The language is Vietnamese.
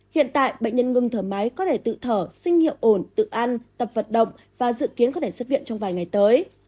hiện tại bệnh nhân ngừng thở máy có thể tự thở sinh hiệu ổn tự ăn tập vật động và dự kiến có thể xuất viện trong vài ngày tới